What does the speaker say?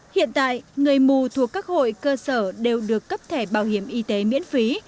hiện tại người mù thuộc các hội cơ sở đều được cấp thẻ bảo hiểm y tế miễn phí